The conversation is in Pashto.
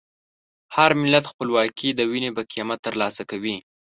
هر ملت خپلواکي د وینې په قیمت ترلاسه کوي.